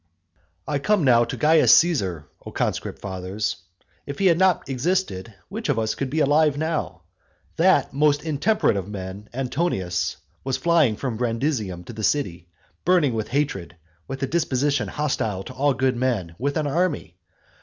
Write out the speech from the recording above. XVI. I come now to Caius Caesar, O conscript fathers; if he had not existed, which of us could have been alive now? That most intemperate of men, Antonius, was flying from Brundusium to the city, burning with hatred, with a disposition hostile to all good men, with an army.